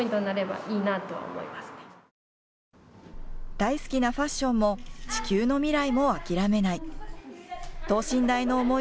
大好きなファッションも地球の未来も諦めない。